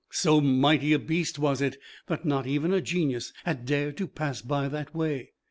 So mighty a beast was it, that not even a Genius had dared to pass by that way.